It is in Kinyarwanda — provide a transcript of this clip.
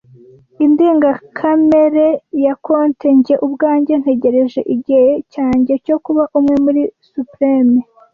Indengakamere ya konte, njye ubwanjye ntegereje igihe cyanjye cyo kuba umwe muri Supremes ,